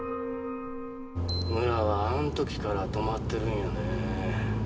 村はあのときから止まってるんよね。